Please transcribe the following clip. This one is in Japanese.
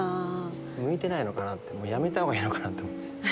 向いてないのかなやめた方がいいのかなと思って。